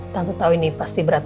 tante tau ini pasti berarti